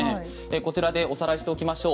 こちらでおさらいしましょう。